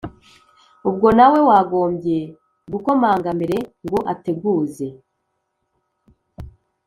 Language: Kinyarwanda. Ubwo nawe wagombye gukomanga mbere ngo ateguze